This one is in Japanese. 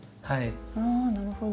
あなるほど。